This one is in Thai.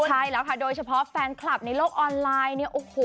ใช่แล้วค่ะโดยเฉพาะแฟนคลับในโลกออนไลน์